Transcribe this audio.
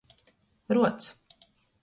Ruods.